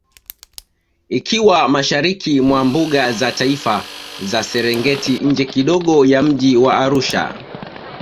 Ikiwa Mashariki mwa Mbuga za Taifa za Serengeti nje kidogo ya mji wa Arusha